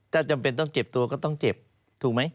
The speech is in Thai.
ถ้าจำเป็นต้องเจ็บตัวก็ต้องเจ็บถูกไหม